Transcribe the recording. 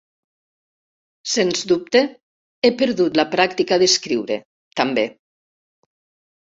Sens dubte he perdut la pràctica d'escriure, també.